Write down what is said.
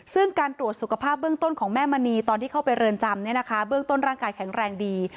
ซึ่งการตรวจสุขภาพเบื้องต้นของแม่มณีตอนที่เข้าไปเรือนจำเบื้องต้นร่างกายแข็งแรงดี